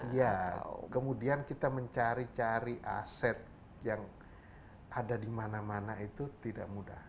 ya kemudian kita mencari cari aset yang ada di mana mana itu tidak mudah